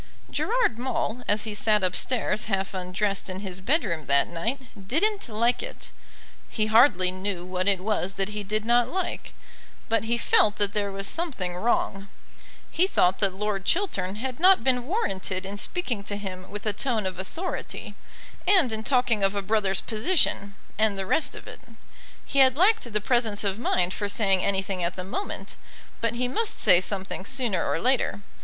Gerard Maule, as he sat upstairs half undressed in his bedroom that night didn't like it. He hardly knew what it was that he did not like, but he felt that there was something wrong. He thought that Lord Chiltern had not been warranted in speaking to him with a tone of authority, and in talking of a brother's position, and the rest of it. He had lacked the presence of mind for saying anything at the moment; but he must say something sooner or later.